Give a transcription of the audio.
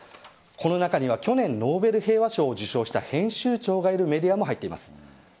この中には去年ノーベル平和賞を受賞したメディアも入っています。